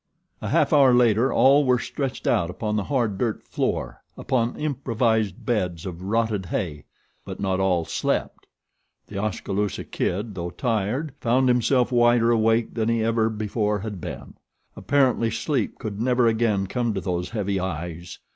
A half hour later all were stretched out upon the hard dirt floor upon improvised beds of rotted hay; but not all slept. The Oskaloosa Kid, though tired, found himself wider awake than he ever before had been. Apparently sleep could never again come to those heavy eyes.